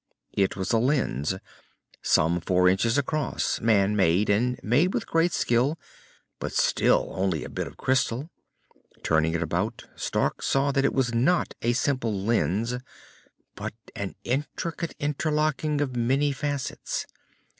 It was a lens, some four inches across man made, and made with great skill, but still only a bit of crystal. Turning it about, Stark saw that it was not a simple lens, but an intricate interlocking of many facets.